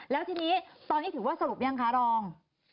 แล้วทีนี้ตอนนี้ถือว่าสรุปยังคะรอง